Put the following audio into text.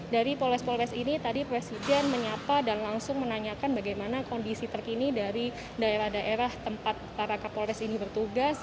dari polres polres ini tadi presiden menyapa dan langsung menanyakan bagaimana kondisi terkini dari daerah daerah tempat para kapolres ini bertugas